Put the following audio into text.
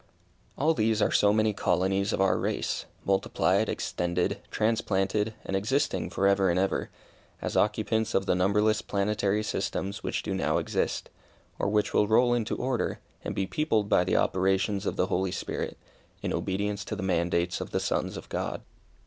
All these are so many colonies of our race, multiplied, extended, transplanted, and existing for ever and ever, as occupants of the numberless planetary systems which do now exist, or which will roll into order, and be peopled by the operations of the Holy Spirit, in obedience to the mandates of the sons of God.